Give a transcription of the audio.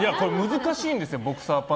難しいんですよ